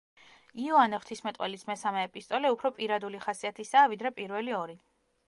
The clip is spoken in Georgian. იოანე ღვთისმეტყველის მესამე ეპისტოლე უფრო პირადული ხასიათისაა, ვიდრე პირველი ორი.